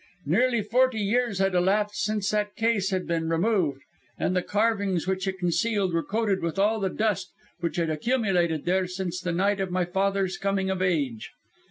Nearly forty years had elapsed since that case had been removed, and the carvings which it concealed were coated with all the dust which had accumulated there since the night of my father's coming of age.